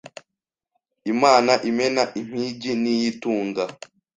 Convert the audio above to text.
“Imana imena impigi”, “Niyitunga”,